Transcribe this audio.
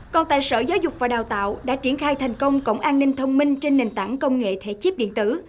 còn tại sở giáo dục và đào tạo đã triển khai thành công cổng an ninh thông minh trên nền tảng công nghệ thẻ chip điện tử